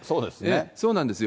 そうなんですよ。